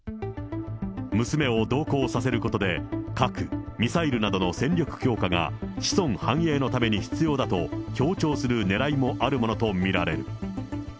娘を同行させることで、核・ミサイルなどの戦略強化が子孫繁栄のために必要だと、強調するねらいもあるものと見られる。